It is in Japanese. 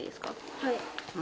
はい。